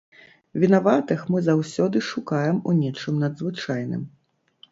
Вінаватых мы заўсёды шукаем у нечым надзвычайным.